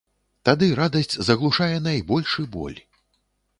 Тады радасць заглушае найбольшы боль.